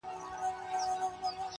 سیاه پوسي ده، ستا غمِستان دی.